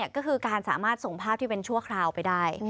ก็คือการสามารถส่งภาพที่เป็นชั่วคราวไปได้